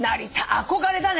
憧れだね